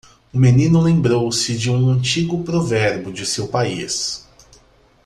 O menino lembrou-se de um antigo provérbio de seu país.